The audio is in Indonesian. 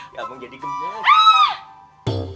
abang jadi gembek